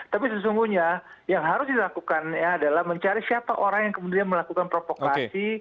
tapi sesungguhnya yang harus dilakukan adalah mencari siapa orang yang kemudian melakukan provokasi